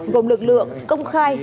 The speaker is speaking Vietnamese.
gồm lực lượng công khai